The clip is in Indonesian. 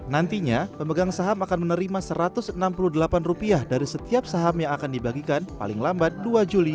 nantinya pemegang saham akan menerima rp satu ratus enam puluh delapan dari setiap saham yang akan dibagikan paling lambat dua juli